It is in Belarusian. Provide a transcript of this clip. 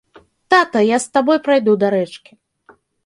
Тата, я з табой прайду да рэчкі.